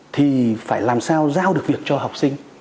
thì phải làm sao giao được việc cho học sinh